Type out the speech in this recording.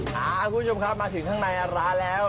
คุณผู้ชมครับมาถึงข้างในร้านแล้ว